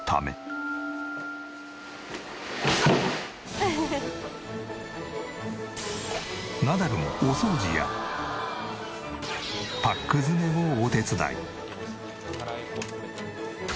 そんなナダルもお掃除やパック詰めをお手伝い。